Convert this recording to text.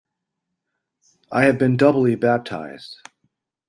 I have been doubly baptized.